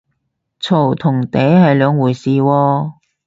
嘈同嗲係兩回事喎